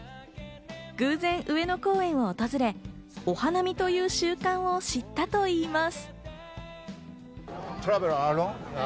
偶然、上野公園を訪れ、お花見という習慣を知ったといいます。